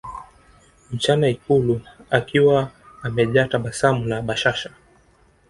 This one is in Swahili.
mchana ikulu akiwa amejaa tabasamu na bashasha